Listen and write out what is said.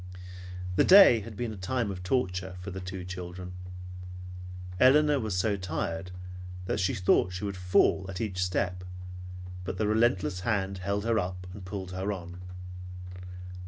The day had been a time of torture for the two children. Elinor was so tired that she thought that she would fall at each step, but the relentless hand held her up and pulled her on.